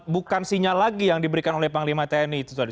bukan sinyal lagi yang diberikan oleh panglima tni itu tadi